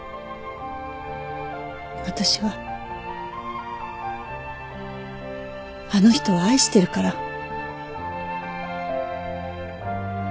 私はあの人を愛してるから。